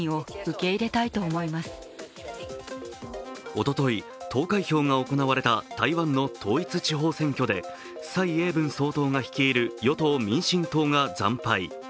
おととい投開票が行われた台湾の統一地方選挙で蔡英文総統が率いる与党・民進党が惨敗。